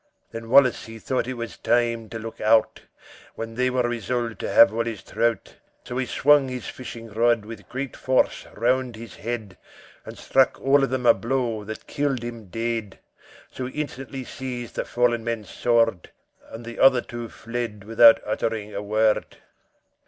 Then Wallace he thought it was time to look out, When they were resolved to have all his trout; So he swung his fishing rod with great force round his head, And struck on of them a blow that killed him dead; So he instantly seized the fallen man's sword, And the other two fled without uttering a word.